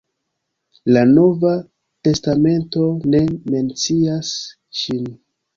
La nova testamento ne mencias ŝin.